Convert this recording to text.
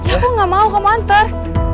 ya aku gak mau kamu antar